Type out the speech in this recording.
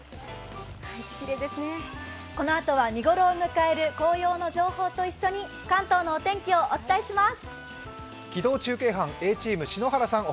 このあとは見頃を迎える紅葉の情報と一緒に関東のお天気をお伝えします。